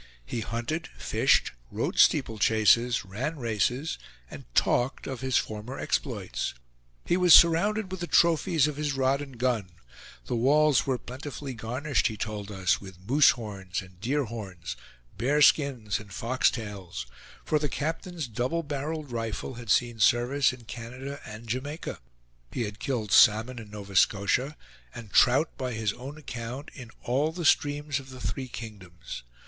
He hunted, fished, rode steeple chases, ran races, and talked of his former exploits. He was surrounded with the trophies of his rod and gun; the walls were plentifully garnished, he told us, with moose horns and deer horns, bear skins, and fox tails; for the captain's double barreled rifle had seen service in Canada and Jamaica; he had killed salmon in Nova Scotia, and trout, by his own account, in all the streams of the three kingdoms.